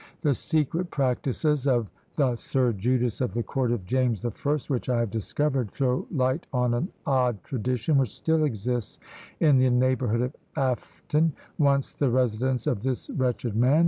The secret practices of the "Sir Judas" of the court of James the First, which I have discovered, throw light on an old tradition which still exists in the neighbourhood of Affeton, once the residence of this wretched man.